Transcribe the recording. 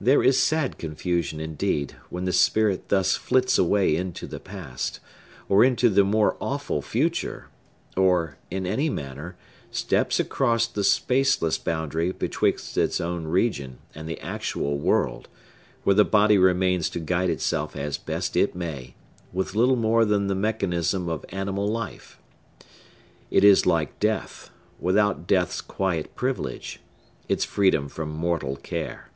There is sad confusion, indeed, when the spirit thus flits away into the past, or into the more awful future, or, in any manner, steps across the spaceless boundary betwixt its own region and the actual world; where the body remains to guide itself as best it may, with little more than the mechanism of animal life. It is like death, without death's quiet privilege,—its freedom from mortal care.